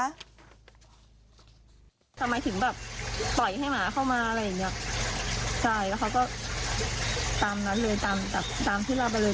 อ่าคามขอโทษเฉยก็คือมันเกิดไปแล้วมันเป็นเหตุผิดระหว่างเกิดไปแล้ว